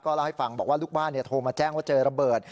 เล่าให้ฟังบอกว่าลูกบ้านโทรมาแจ้งว่าเจอระเบิด